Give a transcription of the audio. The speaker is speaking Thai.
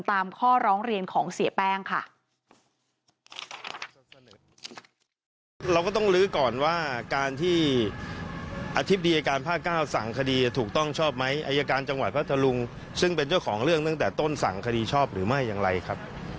ตามข้อร้องเรียนของเสียแป้งค่ะ